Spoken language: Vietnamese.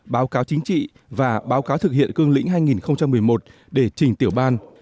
báo cáo chính trị và báo cáo thực hiện cương lĩnh hai nghìn một mươi một để trình tiểu ban